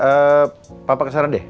eh papa kesana deh